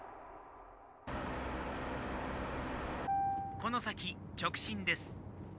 「この先直進です」。